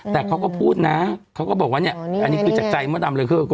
แต่เขาก็พูดนะเขาก็บอกว่าเนี่ยอันนี้คือจากใจมดดำเลยคือ